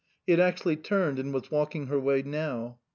He had actually turned and was walking her way now.